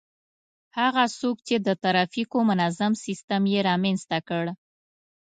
هغه څوک چي د ترافیکو منظم سیستم يې رامنځته کړ